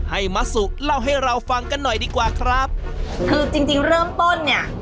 มัสสุเล่าให้เราฟังกันหน่อยดีกว่าครับคือจริงจริงเริ่มต้นเนี่ย